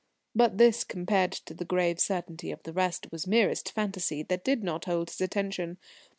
But this, compared to the grave certainty of the rest, was merest fantasy that did not hold his attention.